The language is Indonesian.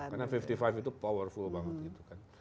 karena lima puluh lima itu powerful banget